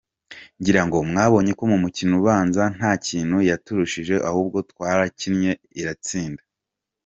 Ngira ngo mwabonye ko mu mukino ubanza nta kintu yaturushije ahubwo twarakinnye iratsinda.